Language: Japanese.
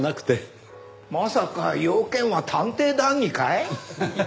まさか用件は探偵談義かい？ハハハ。